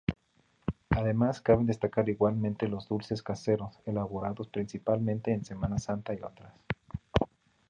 Además, caben destacar igualmente los dulces caseros, elaborados principalmente en semana santa y otras.